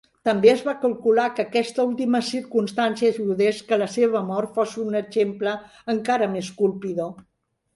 També es va calcular que aquesta última circumstància ajudés que la seva mort fos un exemple encara més colpidor.